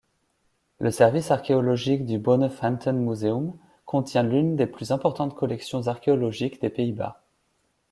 Le service archéologique du Bonnefantenmuseum contient l'une des plus importantes collections archéologiques des Pays-Bas.